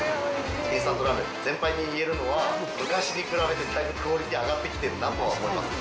インスタントラーメン全般に言えるのは、昔に比べてだいぶクオリティー上がってきてるなと思います。